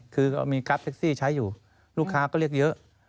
คือก็มีกราฟแท็กซี่ใช้อยู่ลูกค้าก็เรียกเยอะ